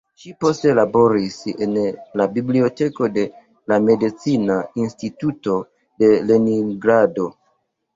Ŝi poste laboris en la biblioteko de la Medicina Instituto de Leningrado.